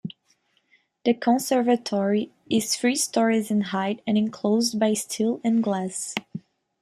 The conservatory is three stories in height and enclosed by steel and glass.